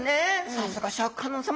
さすがシャーク香音さまだ。